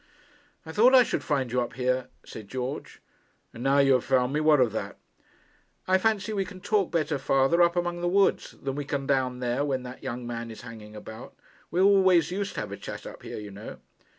'I thought I should find you up here,' said George. 'And now you have found me, what of that?' 'I fancy we can talk better, father, up among the woods, than we can down there when that young man is hanging about. We always used to have a chat up here, you know.'